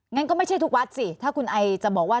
งั้นก็ไม่ใช่ทุกวัดสิถ้าคุณไอจะบอกว่า